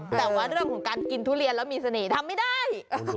แต่ว่าเรื่องของการกินทุเรียนแล้วมีเสน่ห์ทำไม่ได้